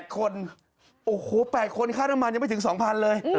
๘คนโอ้โห๘คนค่าน้ำมันยังไม่ถึง๒๐๐เลย